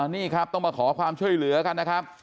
นี่ครับต้องมาขอความช่วยเหลือกันนะครับ